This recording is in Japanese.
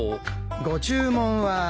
ご注文は？